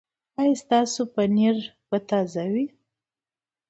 ایا ستاسو پنیر به تازه وي؟